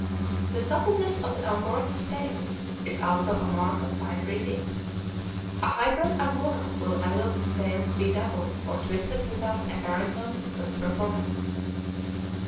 The suppleness of the Angora's tail is also a mark of fine breeding. A highbred Angora will allow its tail to be doubled or twisted without apparent notice of the performance.